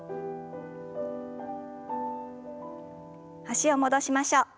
脚を戻しましょう。